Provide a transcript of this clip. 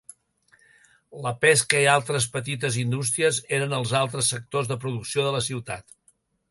La pesca i altres petites indústries eren els altres sectors de producció de la ciutat.